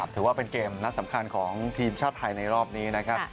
ถือว่าเป็นเกมนัดสำคัญของทีมชาติไทยในรอบนี้นะครับ